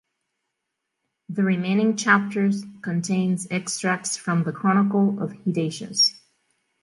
The remaining chapters contains extracts from the Chronicle of Hydatius.